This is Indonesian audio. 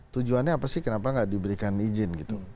tujuannya apa sih kenapa nggak diberikan izin gitu